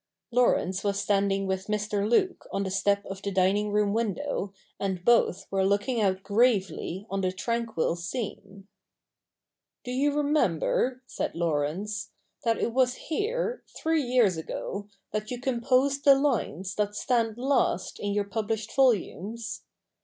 Laurence was standing with Mr. Luke on the step of the dining room window, and both were looking out gravely on the tranquil scene. ' Do you remember,' said Laurence, ' that it was here, three years ago, that you composed the lines that stand last in your published volumes